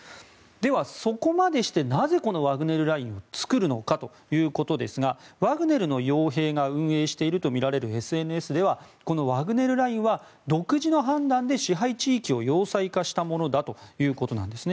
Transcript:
では、そこまでしてなぜこのワグネルラインを作るのかということですがワグネルの傭兵が運営しているとみられるＳＮＳではこのワグネルラインは独自の判断で支配地域を要塞化したものだということです。